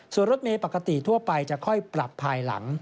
ส่วนรถเมย์ปกติทั่วไปจะค่อยปรับภายหลัง